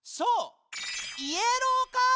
イエローカード！